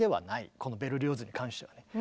このベルリオーズに関してはね。